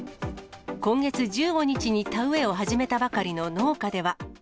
今月１５日に田植えを始めたばかりの農家では。